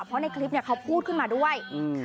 เพราะในคลิปเนี่ยเขาพูดขึ้นมาด้วย